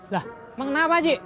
lah mengenapa ji